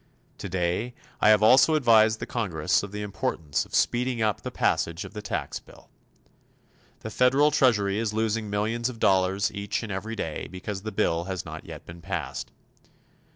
Today I have also advised the Congress of the importance of speeding up the passage of the tax bill. The federal treasury is losing millions of dollars each and every day because the bill has not yet been passed.